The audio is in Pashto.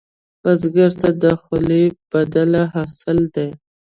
بزګر ته د خولې بدله حاصل دی